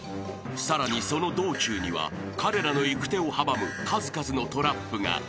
［さらにその道中には彼らの行く手を阻む数々のトラップが。